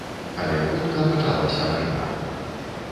Але хутка пачалася вайна.